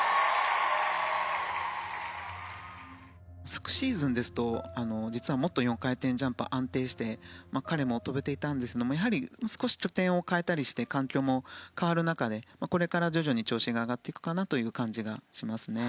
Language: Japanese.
昨シーズンですともっと４回転ジャンプは安定して跳べていたんですがやはり少し拠点を変えたりして環境も変わる中でこれから徐々に調子が上がってくるかなという感じがします。